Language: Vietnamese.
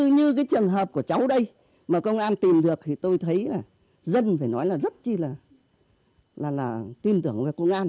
như trường hợp của cháu đây mà công an tìm được thì tôi thấy là dân phải nói là rất là tin tưởng về công an